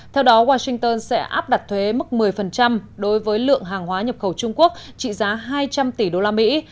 theo đó washington sẽ áp đặt thuế mức một mươi đối với lượng hàng hóa nhập khẩu trung quốc trị giá hai trăm linh tỷ đô la mỹ